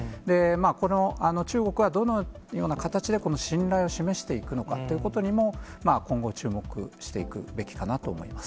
この中国は、どのような形でこの信頼を示していくのかということにも、今後注目していくべきかなと思います。